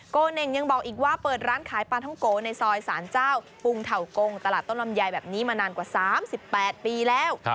เน่งยังบอกอีกว่าเปิดร้านขายปลาท้องโกในซอยสารเจ้าปรุงเถากงตลาดต้นลำไยแบบนี้มานานกว่า๓๘ปีแล้ว